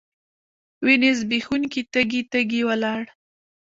وینې ځبېښونکي تږي، تږي ولاړ